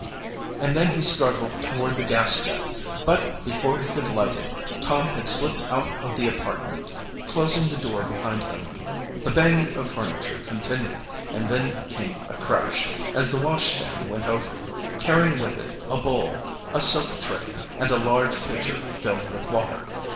And then he struggled toward the gas jet, but before he could light it Tom had slipped out of the apartment, closing the door behind him. The banging of furniture continued, and then came a crash, as the washstand went over, carrying with it a bowl, a soap tray, and a large, pitcher filled with water.